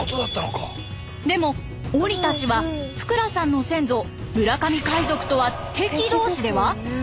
でも織田氏は福羅さんの先祖村上海賊とは敵同士では？